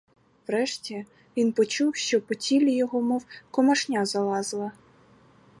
Врешті, він почув, що по тілі його мов комашня залазила.